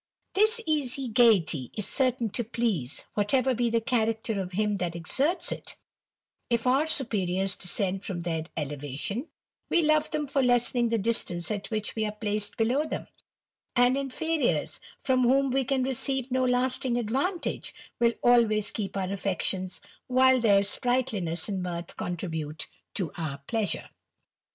This easy gaiety is certain to pleas^ whatever be the character of him that exerts it ; if oar superiors descend from their elevation, we love them for lessening the distance at which we are placed below tbetn ; and inferiors, from whom we can receive no lasting ■dvantage, will always keep our affections while their Sprighdiness and mirth contribute to our pleasure.